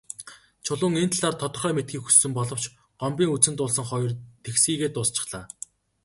Чулуун энэ талаар тодорхой мэдэхийг хүссэн боловч Гомбын үзсэн дуулсан хоёр тэгсхийгээд дуусчихлаа.